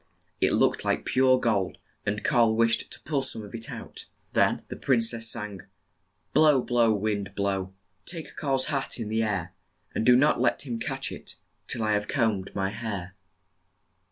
It looked like pure gold, and Karl wished to pull some of it out. Then the prin cess sang, "Blow, blow, wind blow; Take Karl's hat in the air; And do not let him catch it Till I have combed my hair."